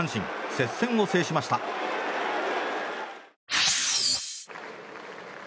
接戦を制しました。